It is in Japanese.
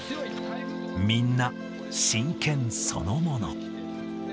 みんな真剣そのもの。